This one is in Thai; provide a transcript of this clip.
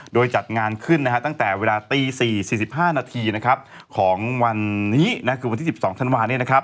โดยจัดงานขึ้นตั้งแต่เวลาตี๔๔๕นาทีของวันนี้คือวันที่๑๒ธันวา